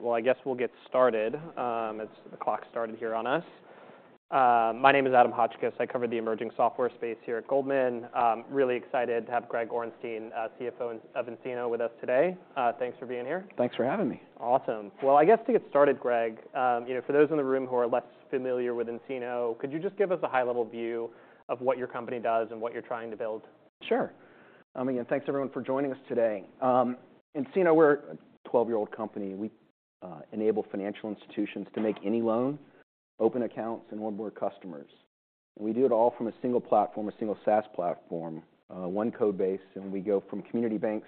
Well, I guess we'll get started, as the clock started here on us. My name is Adam Hotchkiss. I cover the emerging software space here at Goldman. Really excited to have Greg Orenstein, CFO of nCino with us today. Thanks for being here. Thanks for having me. Awesome. Well, I guess to get started, Greg, you know, for those in the room who are less familiar with nCino, could you just give us a high-level view of what your company does and what you're trying to build? Sure. Again, thanks everyone for joining us today. nCino, we're a 12-year-old company. We enable financial institutions to make any loan, open accounts, and onboard customers. We do it all from a single platform, a single SaaS platform, one code base, and we go from community banks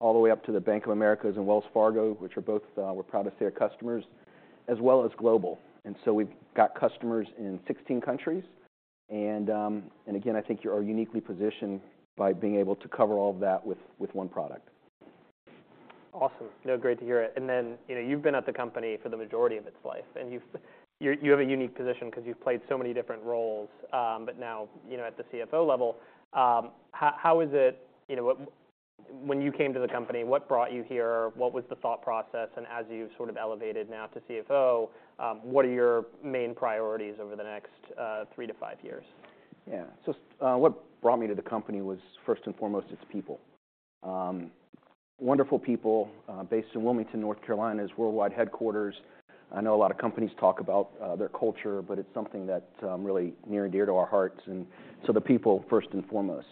all the way up to the Bank of America and Wells Fargo, which are both, we're proud to say, are customers, as well as global. And so we've got customers in 16 countries, and again, I think we are uniquely positioned by being able to cover all of that with one product. Awesome. No, great to hear it. And then, you know, you've been at the company for the majority of its life, and you have a unique position 'cause you've played so many different roles. But now, you know, at the CFO level, how is it. You know, what, when you came to the company, what brought you here? What was the thought process? And as you've sort of elevated now to CFO, what are your main priorities over the next three to five years? Yeah. So, what brought me to the company was, first and foremost, its people. Wonderful people, based in Wilmington, North Carolina, as worldwide headquarters. I know a lot of companies talk about their culture, but it's something that's really near and dear to our hearts, and so the people, first and foremost.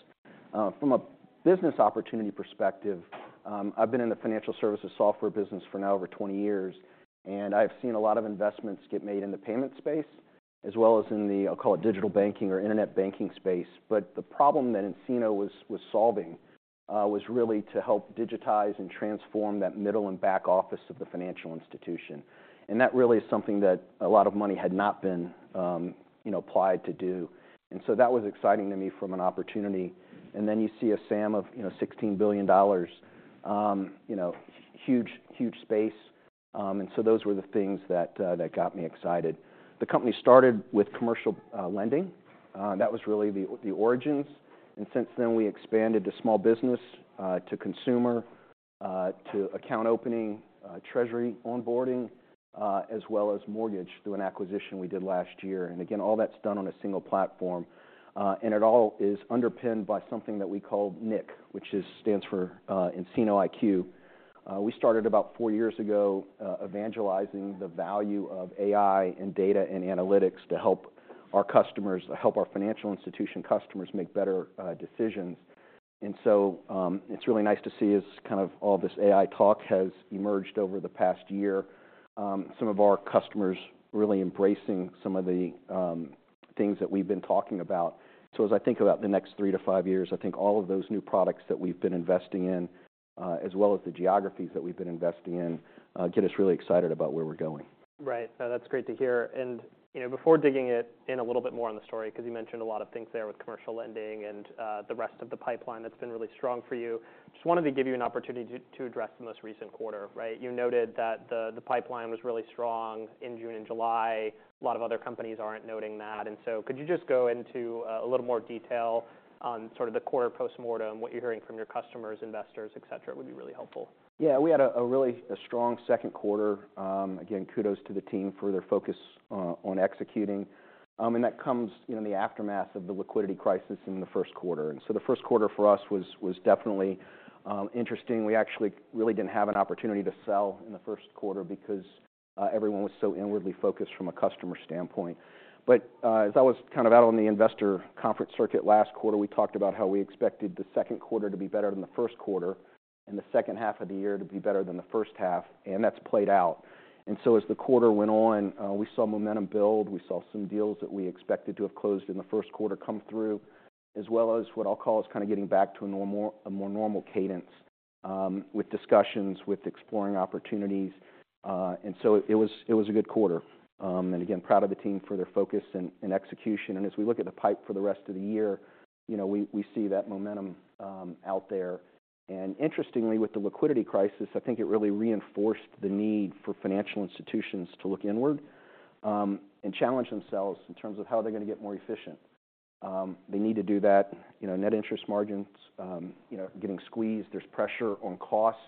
From a business opportunity perspective, I've been in the financial services software business for now over 20 years, and I've seen a lot of investments get made in the payment space, as well as in the, I'll call it, digital banking or internet banking space. But the problem that nCino was solving was really to help digitize and transform that middle and back office of the financial institution. And that really is something that a lot of money had not been, you know, applied to do. That was exciting to me from an opportunity. Then you see a SAM of, you know, $16 billion, you know, huge, huge space. And so those were the things that that got me excited. The company started with commercial lending. That was really the origins. And since then, we expanded to small business, to consumer, to account opening, treasury onboarding, as well as mortgage through an acquisition we did last year. And again, all that's done on a single platform, and it all is underpinned by something that we call nIQ, which stands for nCino IQ. We started about four years ago evangelizing the value of AI and data and analytics to help our customers, to help our financial institution customers make better decisions. It's really nice to see, as kind of all this AI talk has emerged over the past year, some of our customers really embracing some of the things that we've been talking about. As I think about the next three to five years, I think all of those new products that we've been investing in, as well as the geographies that we've been investing in, get us really excited about where we're going. Right. That's great to hear. And, you know, before digging in a little bit more on the story, 'cause you mentioned a lot of things there with commercial lending and the rest of the pipeline that's been really strong for you. Just wanted to give you an opportunity to address the most recent quarter, right? You noted that the pipeline was really strong in June and July. A lot of other companies aren't noting that, and so could you just go into a little more detail on sort of the quarter postmortem, what you're hearing from your customers, investors, etc, would be really helpful. Yeah, we had a really strong second quarter. Again, kudos to the team for their focus on executing. And that comes in the aftermath of the liquidity crisis in the first quarter. And so the first quarter for us was definitely interesting. We actually really didn't have an opportunity to sell in the first quarter because everyone was so inwardly focused from a customer standpoint. But as I was kind of out on the investor conference circuit last quarter, we talked about how we expected the second quarter to be better than the first quarter, and the second half of the year to be better than the first half, and that's played out. And so as the quarter went on, we saw momentum build. We saw some deals that we expected to have closed in the first quarter come through, as well as what I'll call is kind of getting back to a normal, a more normal cadence with discussions, with exploring opportunities. And so it was, it was a good quarter. And again, proud of the team for their focus and execution. And as we look at the pipe for the rest of the year, you know, we see that momentum out there. And interestingly, with the liquidity crisis, I think it really reinforced the need for financial institutions to look inward and challenge themselves in terms of how they're going to get more efficient. They need to do that. You know, net interest margins, you know, getting squeezed, there's pressure on costs,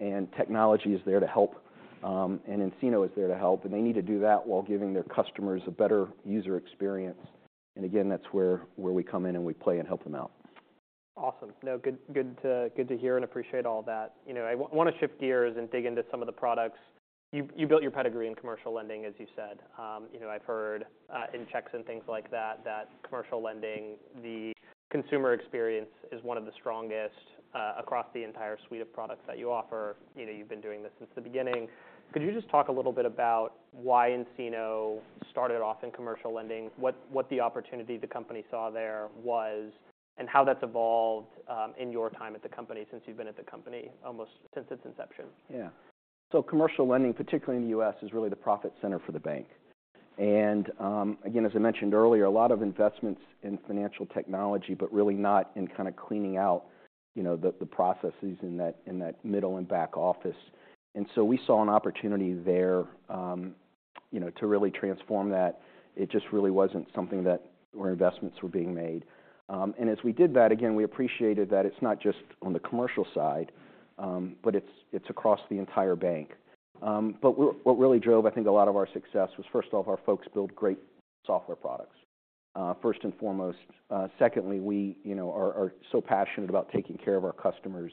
and technology is there to help, and nCino is there to help, and they need to do that while giving their customers a better user experience. And again, that's where we come in and we play and help them out. Awesome. No, good, good to, good to hear and appreciate all that. You know, I want to shift gears and dig into some of the products. You've... You built your pedigree in commercial lending, as you said. You know, I've heard, in checks and things like that, that commercial lending, the consumer experience is one of the strongest, across the entire suite of products that you offer. You know, you've been doing this since the beginning. Could you just talk a little bit about why nCino started off in commercial lending? What, what the opportunity the company saw there was, and how that's evolved, in your time at the company, since you've been at the company, almost since its inception? Yeah. So commercial lending, particularly in the U.S., is really the profit center for the bank. Again, as I mentioned earlier, a lot of investments in financial technology, but really not in kind of cleaning out, you know, the processes in that middle and back office. So we saw an opportunity there, you know, to really transform that. It just really wasn't something that where investments were being made. As we did that, again, we appreciated that it's not just on the commercial side, but it's across the entire bank. But what really drove, I think, a lot of our success was, first off, our folks build great software products, first and foremost. Secondly, we, you know, are so passionate about taking care of our customers.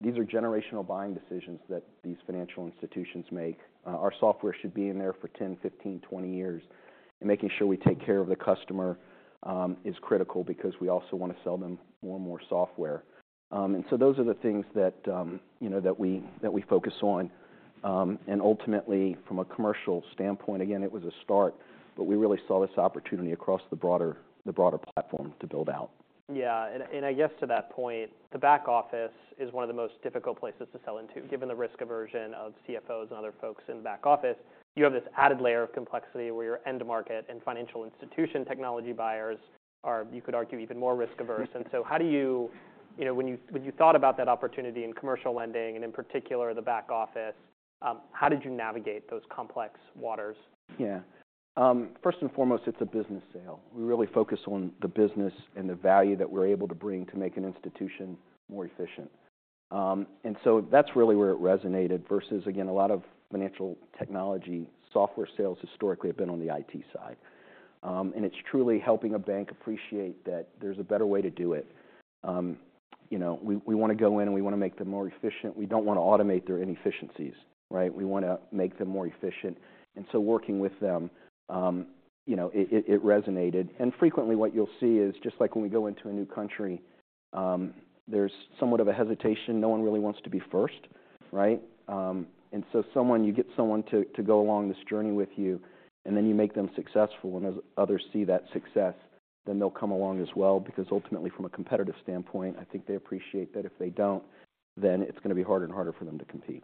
These are generational buying decisions that these financial institutions make. Our software should be in there for 10, 15, 20 years, and making sure we take care of the customer is critical because we also want to sell them more and more software. And so those are the things that, you know, that we, that we focus on. And ultimately, from a commercial standpoint, again, it was a start, but we really saw this opportunity across the broader, the broader platform to build out. Yeah. And I guess to that point, the back office is one of the most difficult places to sell into, given the risk aversion of CFOs and other folks in the back office. You have this added layer of complexity, where your end market and financial institution technology buyers are, you could argue, even more risk averse. And so how do you... You know, when you thought about that opportunity in commercial lending and in particular the back office, how did you navigate those complex waters? Yeah. First and foremost, it's a business sale. We really focus on the business and the value that we're able to bring to make an institution more efficient. And so that's really where it resonated versus, again, a lot of financial technology software sales historically have been on the IT side. And it's truly helping a bank appreciate that there's a better way to do it. You know, we want to go in, and we want to make them more efficient. We don't want to automate their inefficiencies, right? We want to make them more efficient. And so working with them, you know, it resonated. And frequently, what you'll see is just like when we go into a new country, there's somewhat of a hesitation. No one really wants to be first, right? And so you get someone to go along this journey with you, and then you make them successful. When others see that success, then they'll come along as well, because ultimately, from a competitive standpoint, I think they appreciate that if they don't, then it's going to be harder and harder for them to compete.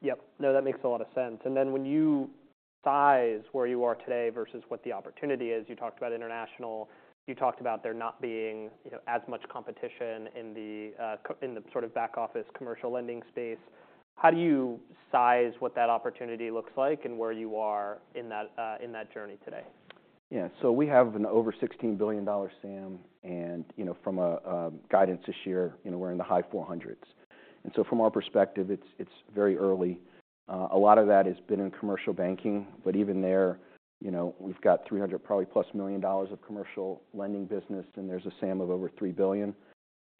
Yep. No, that makes a lot of sense. And then when you size where you are today versus what the opportunity is, you talked about international, you talked about there not being, you know, as much competition in the in the sort of back office commercial lending space. How do you size what that opportunity looks like and where you are in that in that journey today? Yeah. So we have an over $16 billion SAM, and, you know, from a, a guidance this year, you know, we're in the high 400s. And so from our perspective, it's, it's very early. A lot of that has been in commercial banking, but even there, you know, we've got $300, probably plus million dollars of commercial lending business, and there's a SAM of over $3 billion.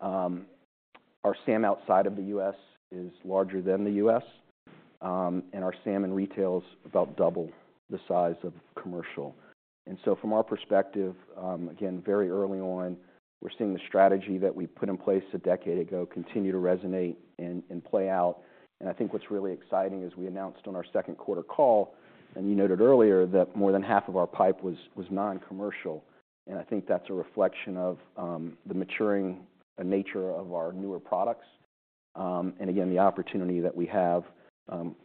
Our SAM outside of the U.S. is larger than the U.S., and our SAM in retail is about double the size of commercial. And so from our perspective, again, very early on, we're seeing the strategy that we put in place a decade ago continue to resonate and, and play out. I think what's really exciting is we announced on our second quarter call, and you noted earlier, that more than half of our pipe was non-commercial. I think that's a reflection of the maturing nature of our newer products, and again, the opportunity that we have,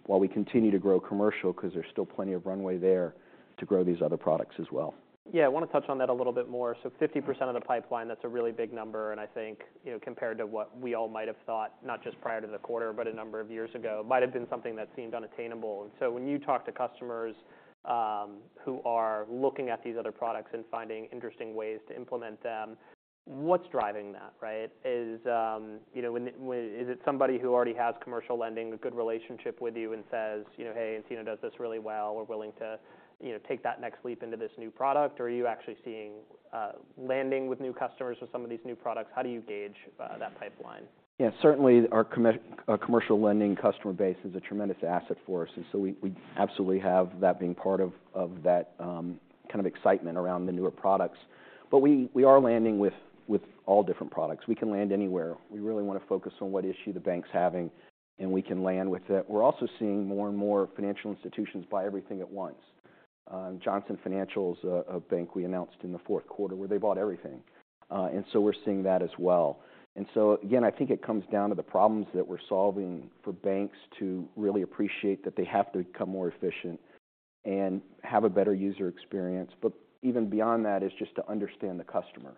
while we continue to grow commercial, 'cause there's still plenty of runway there to grow these other products as well. Yeah. I want to touch on that a little bit more. So 50% of the pipeline, that's a really big number, and I think, you know, compared to what we all might have thought, not just prior to the quarter, but a number of years ago, might have been something that seemed unattainable. And so when you talk to customers who are looking at these other products and finding interesting ways to implement them, what's driving that, right? Is it somebody who already has commercial lending, a good relationship with you and says, you know, "Hey, nCino does this really well. We're willing to, you know, take that next leap into this new product"? Or are you actually seeing landing with new customers with some of these new products? How do you gauge that pipeline? Yeah. Certainly, our commercial lending customer base is a tremendous asset for us, and so we absolutely have that being part of that kind of excitement around the newer products. But we are landing with all different products. We can land anywhere. We really want to focus on what issue the bank's having, and we can land with it. We're also seeing more and more financial institutions buy everything at once. Johnson Financial a bank we announced in the fourth quarter, where they bought everything. And so we're seeing that as well. And so again, I think it comes down to the problems that we're solving for banks to really appreciate that they have to become more efficient and have a better user experience. But even beyond that is just to understand the customer,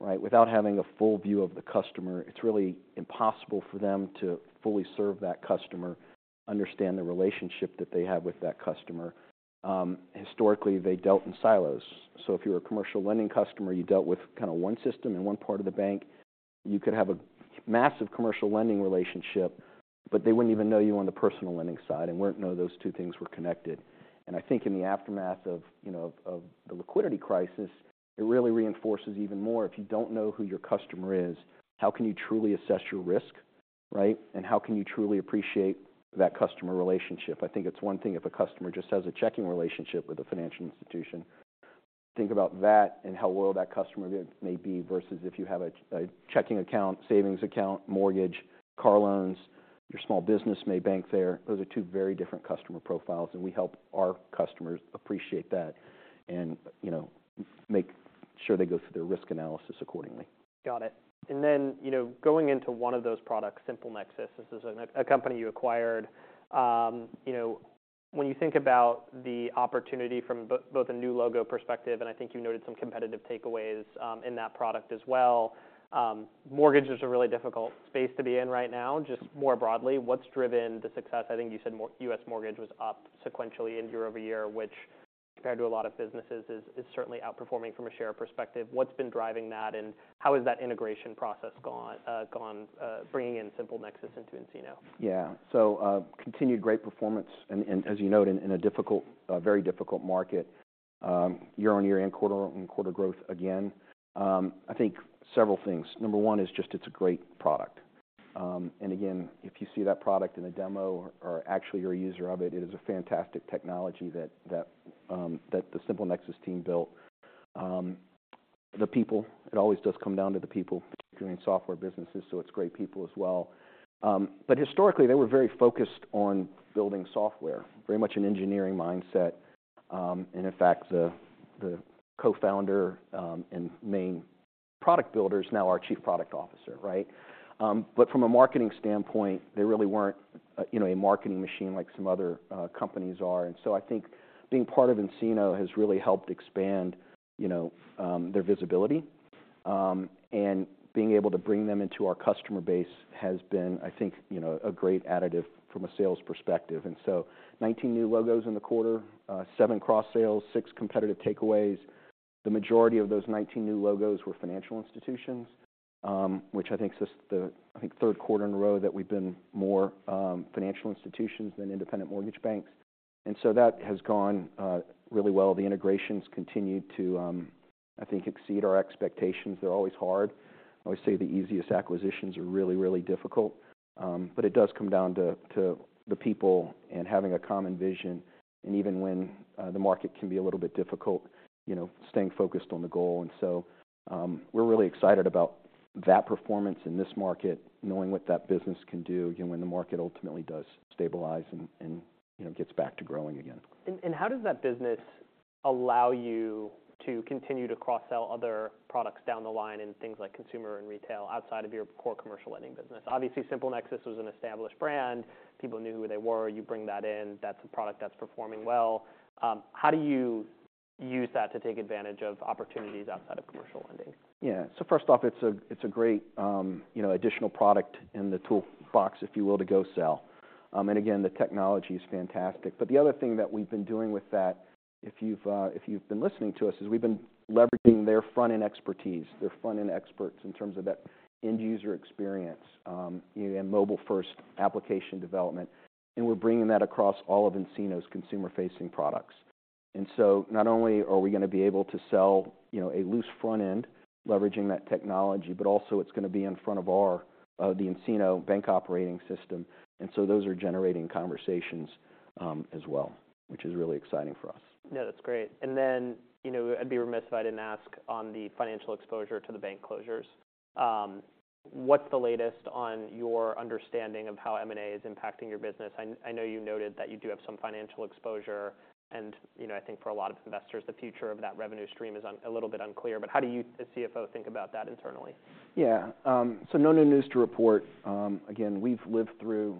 right? Without having a full view of the customer, it's really impossible for them to fully serve that customer, understand the relationship that they have with that customer. Historically, they dealt in silos. So if you're a commercial lending customer, you dealt with kind of one system in one part of the bank. You could have a massive commercial lending relationship, but they wouldn't even know you on the personal lending side and wouldn't know those two things were connected. And I think in the aftermath of, you know, of the liquidity crisis, it really reinforces even more, if you don't know who your customer is, how can you truly assess your risk, right? And how can you truly appreciate that customer relationship? I think it's one thing if a customer just has a checking relationship with a financial institution. Think about that and how loyal that customer may be, versus if you have a checking account, savings account, mortgage, car loans, your small business may bank there. Those are two very different customer profiles, and we help our customers appreciate that and, you know, make sure they go through their risk analysis accordingly. Got it. And then, you know, going into one of those products, SimpleNexus, this is a company you acquired. You know, when you think about the opportunity from both a new logo perspective, and I think you noted some competitive takeaways in that product as well, mortgage is a really difficult space to be in right now. Just more broadly, what's driven the success? I think you said U.S. Mortgage was up sequentially and year-over-year, which compared to a lot of businesses, is certainly outperforming from a share perspective. What's been driving that, and how has that integration process gone, bringing in SimpleNexus into nCino? Yeah. So, continued great performance and, as you note, in a difficult, a very difficult market, year-on-year and quarter-on-quarter growth again. I think several things. Number one is just, it's a great product. And again, if you see that product in a demo or actually you're a user of it, it is a fantastic technology that the SimpleNexus team built. The people, it always does come down to the people, particularly in software businesses, so it's great people as well. But historically, they were very focused on building software, very much an engineering mindset. And in fact, the co-founder and main product builder is now our Chief Product Officer, right? But from a marketing standpoint, they really weren't, you know, a marketing machine like some other companies are. And so I think being part of nCino has really helped expand, you know, their visibility. And being able to bring them into our customer base has been, I think, you know, a great additive from a sales perspective. And so 19 new logos in the quarter, seven cross sales, six competitive takeaways. The majority of those 19 new logos were financial institutions, which I think this is the, I think, third quarter in a row that we've been more, financial institutions than independent mortgage banks. And so that has gone, really well. The integrations continued to, I think, exceed our expectations. They're always hard. I always say the easiest acquisitions are really, really difficult, but it does come down to, to the people and having a common vision. Even when the market can be a little bit difficult, you know, staying focused on the goal. So, we're really excited about that performance in this market, knowing what that business can do, again, when the market ultimately does stabilize and you know, gets back to growing again. How does that business allow you to continue to cross-sell other products down the line in things like consumer and retail, outside of your core commercial lending business? Obviously, SimpleNexus was an established brand. People knew who they were. You bring that in, that's a product that's performing well. How do you use that to take advantage of opportunities outside of commercial lending? Yeah. So first off, it's a great, you know, additional product in the toolbox, if you will, to go sell. And again, the technology is fantastic. But the other thing that we've been doing with that, if you've been listening to us, is we've been leveraging their front-end expertise, their front-end experts in terms of that end-user experience, and mobile-first application development. And we're bringing that across all of nCino's consumer-facing products. And so not only are we gonna be able to sell, you know, a loose front end, leveraging that technology, but also it's gonna be in front of our, the nCino Bank Operating System. And so those are generating conversations, as well, which is really exciting for us. No, that's great. And then, you know, I'd be remiss if I didn't ask on the financial exposure to the bank closures. What's the latest on your understanding of how M&A is impacting your business? I know you noted that you do have some financial exposure, and, you know, I think for a lot of investors, the future of that revenue stream is a little bit unclear. But how do you, as CFO, think about that internally? Yeah. So no new news to report. Again, we've lived through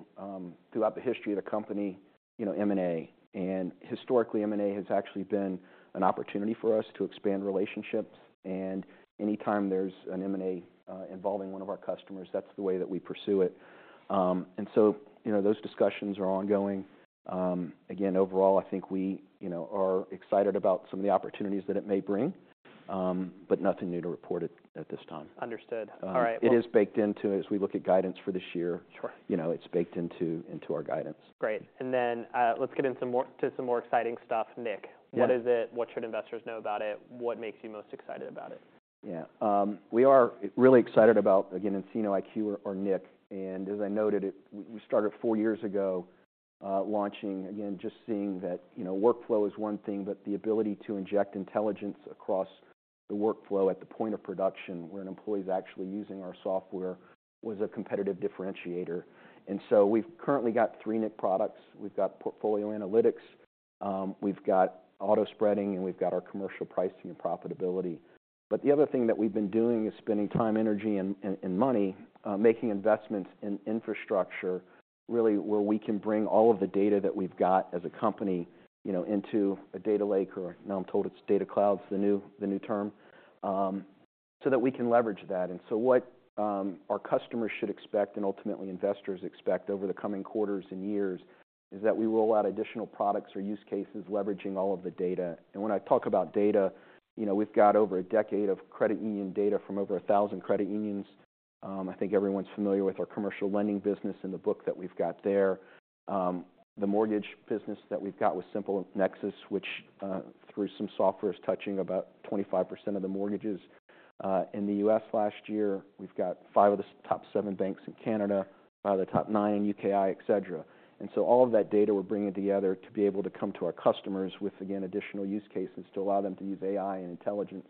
throughout the history of the company, you know, M&A. And historically, M&A has actually been an opportunity for us to expand relationships, and anytime there's an M&A involving one of our customers, that's the way that we pursue it. And so, you know, those discussions are ongoing. Again, overall, I think we, you know, are excited about some of the opportunities that it may bring, but nothing new to report at this time. Understood. All right- It is baked into... As we look at guidance for this year. You know, it's baked into our guidance. Great. And then, let's get into some more exciting stuff. nIQ. What is it? What should investors know about it? What makes you most excited about it? Yeah. We are really excited about, again, nCino IQ or nIQ. And as I noted it, we started four years ago, launching. Again, just seeing that, you know, workflow is one thing, but the ability to inject intelligence across the workflow at the point of production, where an employee is actually using our software, was a competitive differentiator. And so we've currently got three nIQ products. We've got Portfolio Analytics, we've got Auto Spreading, and we've got our Commercial Pricing and Profitability. But the other thing that we've been doing is spending time, energy, and money, making investments in infrastructure, really, where we can bring all of the data that we've got as a company, you know, into a data lake, or now I'm told it's data cloud, it's the new term, so that we can leverage that. And so what our customers should expect, and ultimately investors expect over the coming quarters and years, is that we roll out additional products or use cases leveraging all of the data. And when I talk about data, you know, we've got over a decade of credit union data from over 1,000 credit unions. I think everyone's familiar with our commercial lending business and the book that we've got there. The mortgage business that we've got with SimpleNexus, which, through some software, is touching about 25% of the mortgages in the U.S. last year. We've got 5 of the top 7 banks in Canada, the top 9 in UKI, etc. And so all of that data, we're bringing together to be able to come to our customers with, again, additional use cases to allow them to use AI and intelligence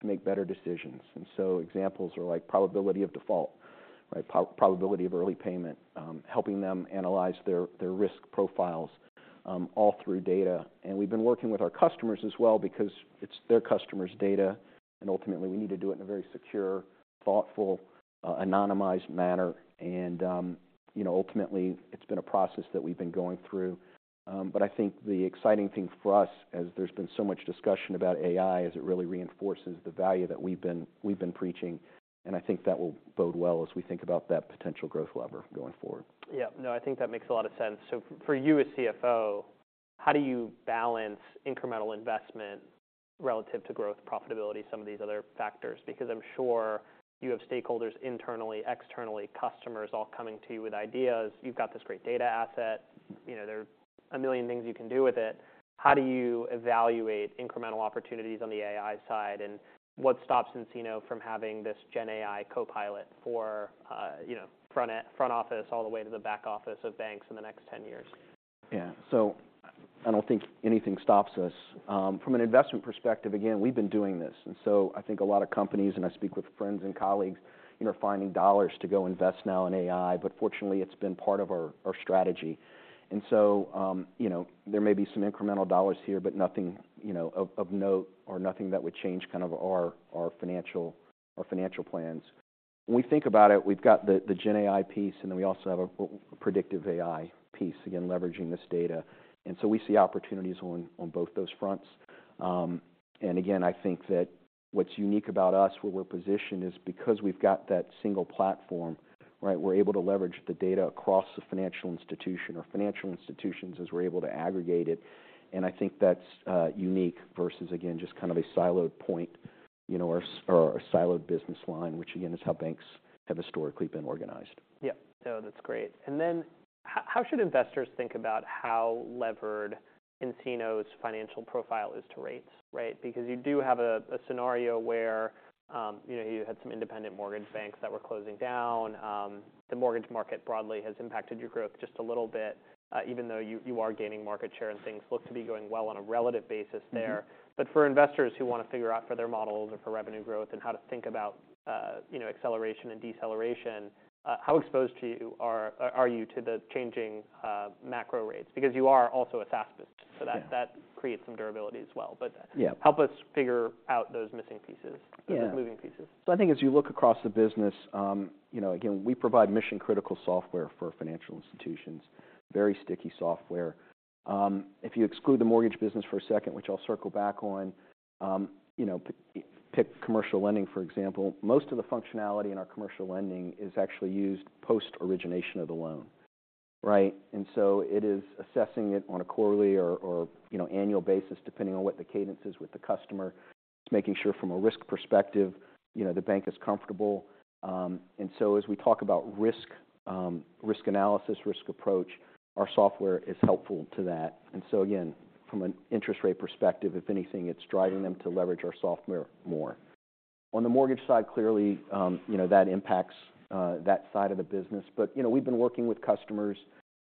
to make better decisions. And so examples are like probability of default, right? Probability of early payment, helping them analyze their risk profiles, all through data. And we've been working with our customers as well because it's their customers' data, and ultimately, we need to do it in a very secure, thoughtful, anonymized manner. And, you know, ultimately, it's been a process that we've been going through. But I think the exciting thing for us, as there's been so much discussion about AI, is it really reinforces the value that we've been, we've been preaching, and I think that will bode well as we think about that potential growth lever going forward. Yeah. No, I think that makes a lot of sense. So for you, as CFO, how do you balance incremental investment relative to growth, profitability, some of these other factors? Because I'm sure you have stakeholders internally, externally, customers all coming to you with ideas. You've got this great data asset, you know, there are a million things you can do with it. How do you evaluate incremental opportunities on the AI side? And what stops nCino from having this GenAI copilot for, you know, front office all the way to the back office of banks in the next 10 years? Yeah. So I don't think anything stops us. From an investment perspective, again, we've been doing this, and so I think a lot of companies, and I speak with friends and colleagues, you know, finding dollars to go invest now in AI, but fortunately, it's been part of our strategy. And so, you know, there may be some incremental dollars here, but nothing, you know, of note or nothing that would change kind of our financial plans. When we think about it, we've got the GenAI piece, and then we also have a predictive AI piece, again, leveraging this data. And so we see opportunities on both those fronts. And again, I think that what's unique about us, where we're positioned, is because we've got that single platform, right? We're able to leverage the data across the financial institution or financial institutions as we're able to aggregate it. I think that's unique versus, again, just kind of a siloed point, you know, or a siloed business line, which, again, is how banks have historically been organized. Yeah. No, that's great. And then, how should investors think about how levered nCino's financial profile is to rates, right? Because you do have a scenario where, you know, you had some independent mortgage banks that were closing down. The mortgage market broadly has impacted your growth just a little bit, even though you are gaining market share and things look to be going well on a relative basis there. But for investors who want to figure out for their models or for revenue growth and how to think about, you know, acceleration and deceleration, how exposed are you to the changing macro rates? Because you are also a SaaS business so that that creates some durability as well. But help us figure out those missing pieces, those moving pieces. So I think as you look across the business, you know, again, we provide mission-critical software for financial institutions, very sticky software. If you exclude the mortgage business for a second, which I'll circle back on, you know, pick commercial lending, for example. Most of the functionality in our commercial lending is actually used post-origination of the loan, right? And so it is assessing it on a quarterly or you know annual basis, depending on what the cadence is with the customer. It's making sure from a risk perspective, you know, the bank is comfortable. And so as we talk about risk, risk analysis, risk approach, our software is helpful to that. And so again, from an interest rate perspective, if anything, it's driving them to leverage our software more. On the mortgage side, clearly, you know, that impacts that side of the business. But, you know, we've been working with customers,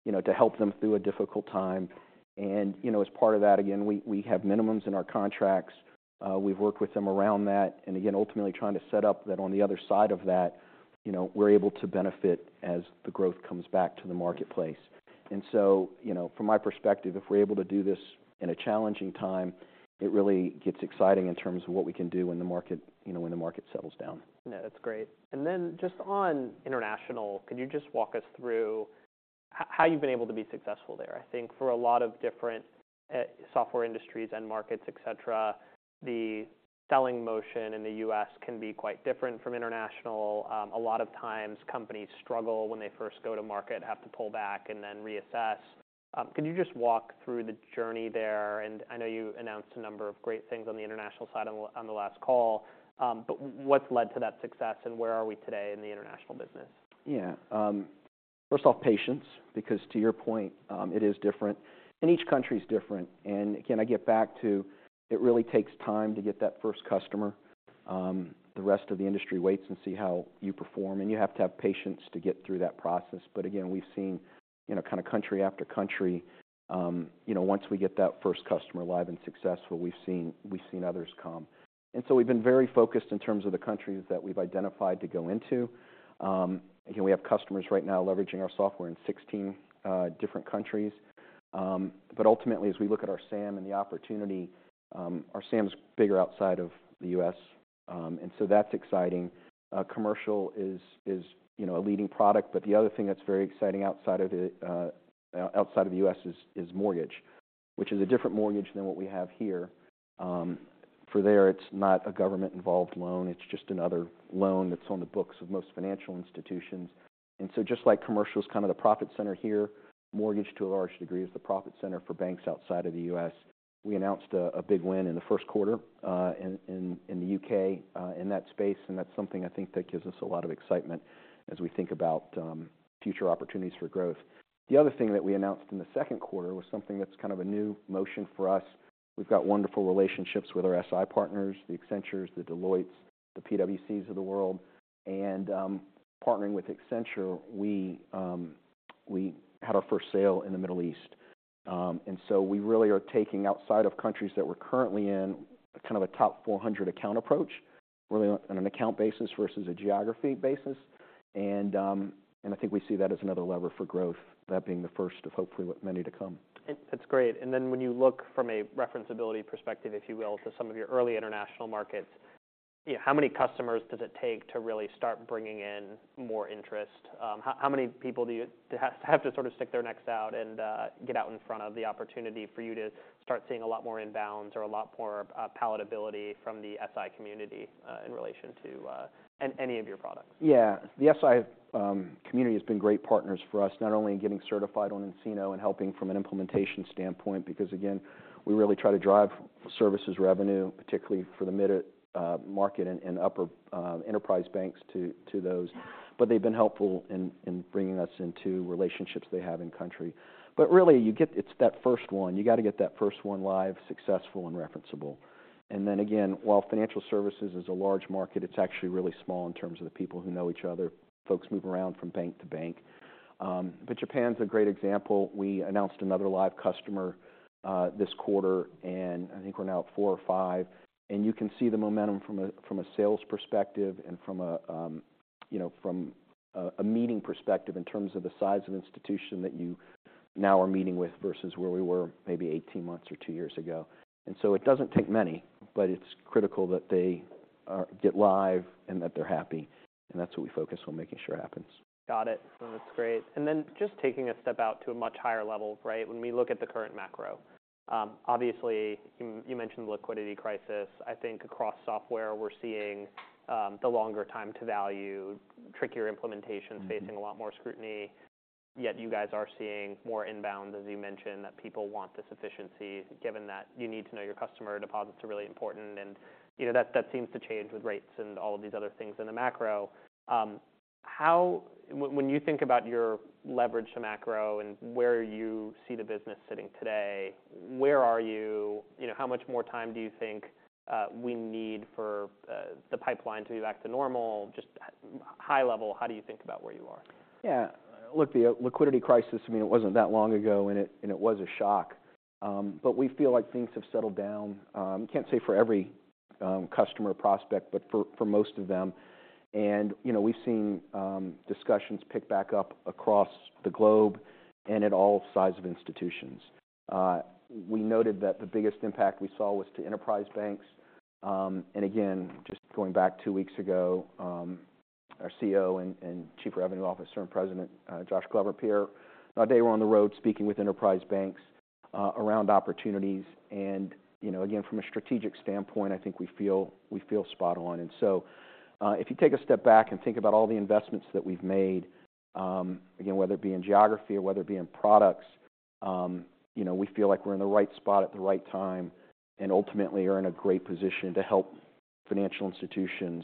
you know, to help them through a difficult time. And, you know, as part of that, again, we have minimums in our contracts. We've worked with them around that, and again, ultimately trying to set up that on the other side of that, you know, we're able to benefit as the growth comes back to the marketplace. And so, you know, from my perspective, if we're able to do this in a challenging time, it really gets exciting in terms of what we can do when the market, you know, when the market settles down. No, that's great. And then just on international, could you just walk us through how you've been able to be successful there? I think for a lot of different software industries and markets, etc, the selling motion in the U.S. can be quite different from international. A lot of times companies struggle when they first go to market, have to pull back and then reassess. Can you just walk through the journey there? And I know you announced a number of great things on the international side on the last call, but what's led to that success, and where are we today in the international business? Yeah. First off, patience, because to your point, it is different and each country is different. And again, I get back to it really takes time to get that first customer. The rest of the industry waits and see how you perform, and you have to have patience to get through that process. But again, we've seen, you know, kind of country after country, you know, once we get that first customer live and successful, we've seen, we've seen others come. And so we've been very focused in terms of the countries that we've identified to go into. Again, we have customers right now leveraging our software in 16 different countries. But ultimately, as we look at our SAM and the opportunity, our SAM is bigger outside of the U.S., and so that's exciting. Commercial is, you know, a leading product, but the other thing that's very exciting outside of the outside of the U.S. is mortgage, which is a different mortgage than what we have here. For there, it's not a government-involved loan. It's just another loan that's on the books of most financial institutions. And so just like commercial is kind of the profit center here, mortgage, to a large degree, is the profit center for banks outside of the U.S. We announced a big win in the first quarter, in the U.K., in that space, and that's something I think that gives us a lot of excitement as we think about future opportunities for growth. The other thing that we announced in the second quarter was something that's kind of a new motion for us. We've got wonderful relationships with our SI partners, the Accenture, the Deloitte, the PwC of the world. And, partnering with Accenture, we, we had our first sale in the Middle East. And so we really are taking outside of countries that we're currently in, kind of a top 400 account approach, really on an account basis versus a geography basis. And, and I think we see that as another lever for growth, that being the first of hopefully many to come. That's great. And then when you look from a referenceability perspective, if you will, to some of your early international markets. Yeah, how many customers does it take to really start bringing in more interest? How many people does it have to sort of stick their necks out and get out in front of the opportunity for you to start seeing a lot more inbounds or a lot more palatability from the SI community in relation to any of your products? Yeah. The SI community has been great partners for us, not only in getting certified on nCino and helping from an implementation standpoint, because, again, we really try to drive services revenue, particularly for the mid-market and upper enterprise banks to those. But they've been helpful in bringing us into relationships they have in country. But really, you get. It's that first one. You got to get that first one live, successful, and referenceable. And then again, while financial services is a large market, it's actually really small in terms of the people who know each other. Folks move around from bank to bank. But Japan's a great example. We announced another live customer this quarter, and I think we're now at 4 or 5. You can see the momentum from a sales perspective and from a, you know, from a meeting perspective in terms of the size of institution that you now are meeting with versus where we were maybe 18 months or two years ago. So it doesn't take many, but it's critical that they get live and that they're happy, and that's what we focus on making sure happens. Got it. No, that's great. And then just taking a step out to a much higher level, right? When we look at the current macro, obviously, you, you mentioned the liquidity crisis. I think across software, we're seeing, the longer time to value, trickier implementations facing a lot more scrutiny, yet you guys are seeing more inbound, as you mentioned, that people want this efficiency, given that you need to know your customer, deposits are really important, and, you know, that seems to change with rates and all of these other things in the macro. When you think about your leverage to macro and where you see the business sitting today, where are you? You know, how much more time do you think we need for the pipeline to be back to normal? Just high level, how do you think about where you are? Yeah. Look, the liquidity crisis, I mean, it wasn't that long ago, and it, and it was a shock. But we feel like things have settled down. Can't say for every customer prospect, but for most of them. And, you know, we've seen discussions pick back up across the globe and at all sides of institutions. We noted that the biggest impact we saw was to enterprise banks. And again, just going back two weeks ago, our CEO and Chief Revenue Officer and President, Josh Glover, Pierre, they were on the road speaking with enterprise banks around opportunities. And, you know, again, from a strategic standpoint, I think we feel, we feel spot on. And so, if you take a step back and think about all the investments that we've made, again, whether it be in geography or whether it be in products, you know, we feel like we're in the right spot at the right time and ultimately are in a great position to help financial institutions,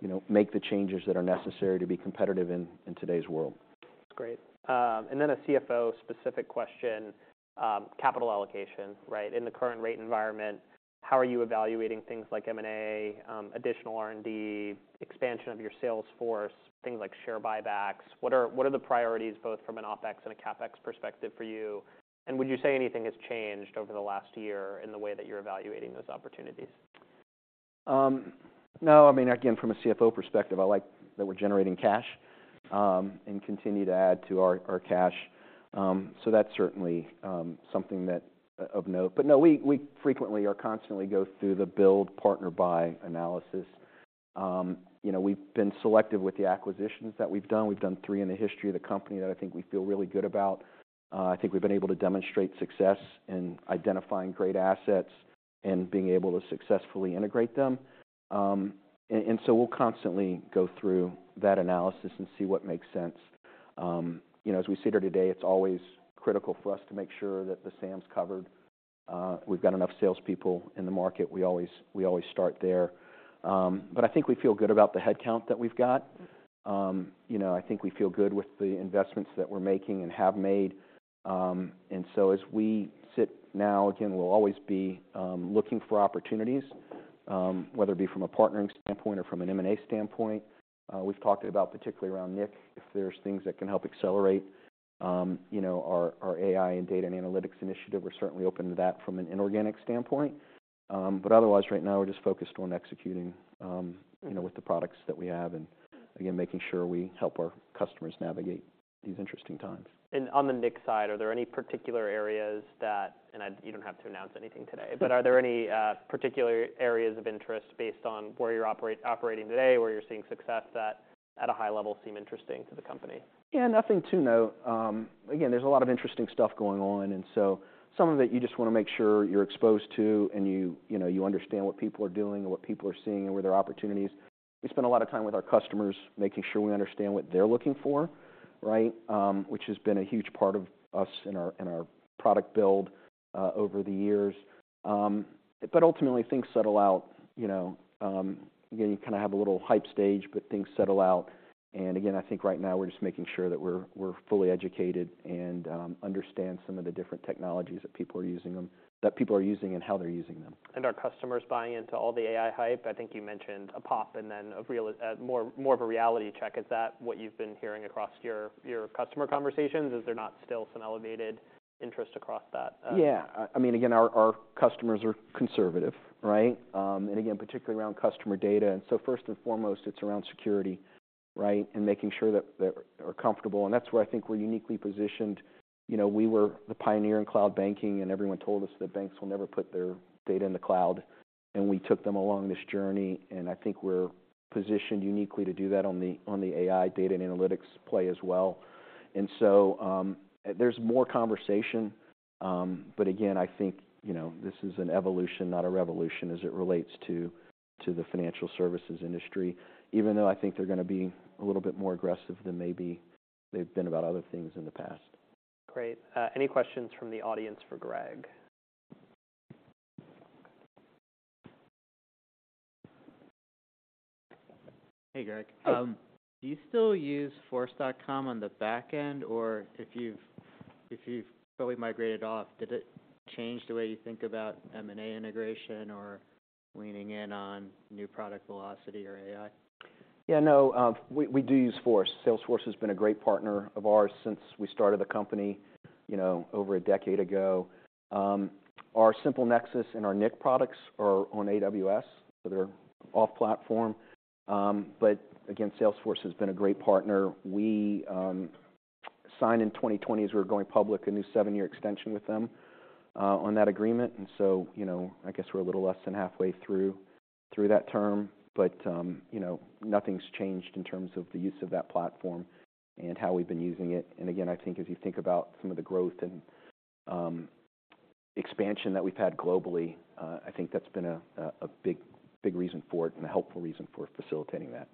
you know, make the changes that are necessary to be competitive in today's world. That's great. And then a CFO-specific question, capital allocation, right? In the current rate environment, how are you evaluating things like M&A, additional R&D, expansion of your sales force, things like share buybacks? What are the priorities, both from an OpEx and a CapEx perspective for you? And would you say anything has changed over the last year in the way that you're evaluating those opportunities? No. I mean, again, from a CFO perspective, I like that we're generating cash and continue to add to our cash. So that's certainly something that's of note. But no, we frequently or constantly go through the build, partner, buy analysis. You know, we've been selective with the acquisitions that we've done. We've done three in the history of the company that I think we feel really good about. I think we've been able to demonstrate success in identifying great assets and being able to successfully integrate them. And so we'll constantly go through that analysis and see what makes sense. You know, as we sit here today, it's always critical for us to make sure that the SAM's covered. We've got enough salespeople in the market. We always start there. But I think we feel good about the headcount that we've got. You know, I think we feel good with the investments that we're making and have made. And so as we sit now, again, we'll always be looking for opportunities, whether it be from a partnering standpoint or from an M&A standpoint. We've talked about, particularly around nIQ, if there's things that can help accelerate, you know, our, our AI and data and analytics initiative, we're certainly open to that from an inorganic standpoint. But otherwise, right now we're just focused on executing, you know, with the products that we have and, again, making sure we help our customers navigate these interesting times. And on the nIQ side, are there any particular areas that... And I, you don't have to announce anything today. But are there any particular areas of interest based on where you're operating today, where you're seeing success that, at a high level, seem interesting to the company? Yeah, nothing to note. Again, there's a lot of interesting stuff going on, and so some of it, you just wanna make sure you're exposed to and you, you know, you understand what people are doing or what people are seeing and where there are opportunities. We spend a lot of time with our customers, making sure we understand what they're looking for, right? Which has been a huge part of us and our, and our product build over the years. But ultimately, things settle out. You know, again, you kind of have a little hype stage, but things settle out. And again, I think right now we're just making sure that we're, we're fully educated and understand some of the different technologies that people are using them, that people are using and how they're using them. And are customers buying into all the AI hype? I think you mentioned a pop and then a real, more of a reality check. Is that what you've been hearing across your customer conversations? Is there not still some elevated interest across that? Yeah. I mean, again, our customers are conservative, right? And again, particularly around customer data. And so first and foremost, it's around security... right? And making sure that they're comfortable, and that's where I think we're uniquely positioned. You know, we were the pioneer in cloud banking, and everyone told us that banks will never put their data in the cloud, and we took them along this journey, and I think we're positioned uniquely to do that on the AI data and analytics play as well. And so, there's more conversation, but again, I think, you know, this is an evolution, not a revolution, as it relates to the financial services industry, even though I think they're gonna be a little bit more aggressive than maybe they've been about other things in the past. Great. Any questions from the audience for Greg? Hey, Greg. Do you still use Force.com on the back end? Or if you've fully migrated off, did it change the way you think about M&A integration or leaning in on new product velocity or AI? Yeah, no, we do use Force. Salesforce has been a great partner of ours since we started the company, you know, over a decade ago. Our SimpleNexus and our nIQ products are on AWS, so they're off-platform. But again, Salesforce has been a great partner. We signed in 2020, as we were going public, a new 7-year extension with them, on that agreement, and so, you know, I guess we're a little less than halfway through that term, but, you know, nothing's changed in terms of the use of that platform and how we've been using it. And again, I think as you think about some of the growth and expansion that we've had globally, I think that's been a big reason for it and a helpful reason for facilitating that.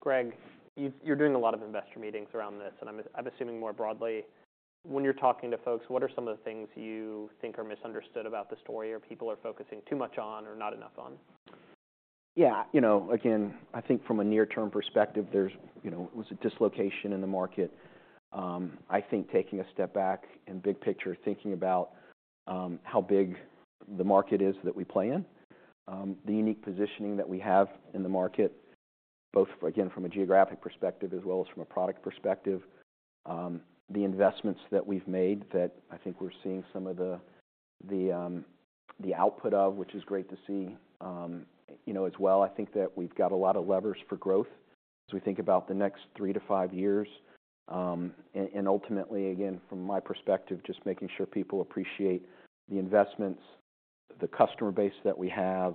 Great. Greg, you're doing a lot of investor meetings around this, and I'm assuming more broadly, when you're talking to folks, what are some of the things you think are misunderstood about the story, or people are focusing too much on or not enough on? Yeah, you know, again, I think from a near-term perspective, there was a dislocation in the market. I think taking a step back and big picture, thinking about how big the market is that we play in, the unique positioning that we have in the market, both again, from a geographic perspective as well as from a product perspective, the investments that we've made that I think we're seeing some of the output of, which is great to see. You know, as well, I think that we've got a lot of levers for growth as we think about the next three to five years. And ultimately, again, from my perspective, just making sure people appreciate the investments, the customer base that we have,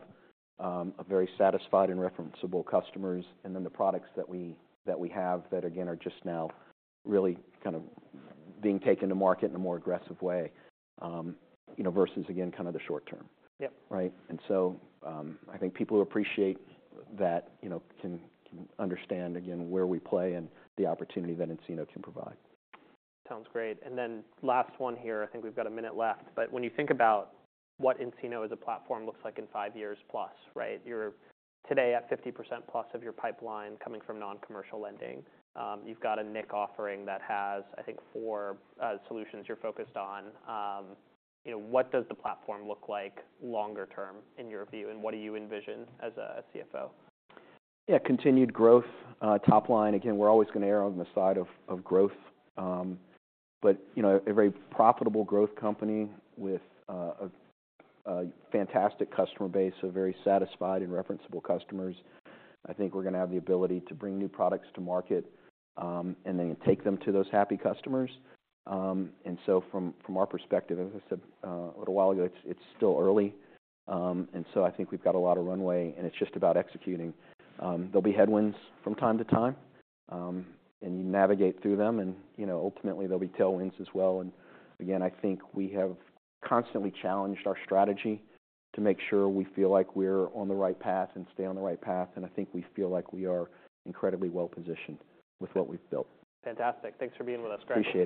a very satisfied and referenceable customers, and then the products that we have that, again, are just now really kind of being taken to market in a more aggressive way, you know, versus, again, kind of the short term. Right? And so, I think people who appreciate that, you know, can understand again, where we play and the opportunity that nCino can provide. Sounds great. And then last one here, I think we've got a minute left, but when you think about what nCino as a platform looks like in 5 years+, right? You're today at 50%+ of your pipeline coming from non-commercial lending. You've got a nIQ offering that has, I think, four solutions you're focused on. You know, what does the platform look like longer term, in your view, and what do you envision as a CFO? Yeah, continued growth. Top line, again, we're always gonna air on the side of growth. But, you know, a very profitable growth company with a fantastic customer base, so very satisfied and referenceable customers. I think we're gonna have the ability to bring new products to market, and then take them to those happy customers. And so from our perspective, as I said a little while ago, it's still early. And so I think we've got a lot of runway, and it's just about executing. There'll be headwinds from time to time, and you navigate through them, and, you know, ultimately, there'll be tailwinds as well. And again, I think we have constantly challenged our strategy to make sure we feel like we're on the right path and stay on the right path, and I think we feel like we are incredibly well positioned with what we've built. Fantastic. Thanks for being with us, Greg. Appreciate it.